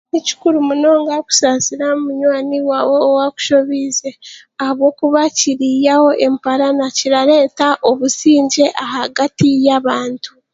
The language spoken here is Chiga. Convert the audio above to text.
Ni kikuru munonga kusaasira munywani waawe owaakushobiize ahabwokuba kiriiyaho emparana, kirareeta obusingye ahagati y'abantu.